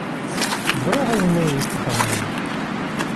Ẓriɣ ayen ay yettxemmim.